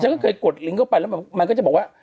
ก็เคยกดลิงกเข้าไปแล้วมันก็จะบอกว่า